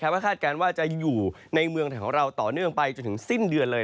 ก็คาดการณ์ว่าจะอยู่ในเมืองไทยของเราต่อเนื่องไปจนถึงสิ้นเดือนเลย